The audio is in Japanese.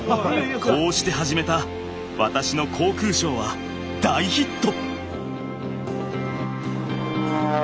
こうして始めた私の航空ショーは大ヒット。